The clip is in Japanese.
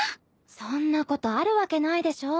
そんなことあるわけないでしょ。